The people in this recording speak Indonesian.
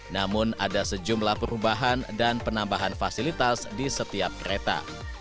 namun ada sejumlah perubahan dan penambahan fasilitas di setiap kereta